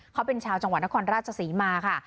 เขาเป็นชาวจังหวัดนครราชศรีมาค่ะ